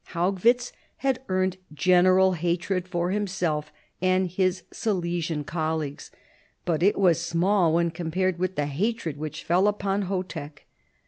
Haugwitz had earned general hatred for himself and his Silesian colleagues, but it was small when compared with the hatred which fell upon Chotek.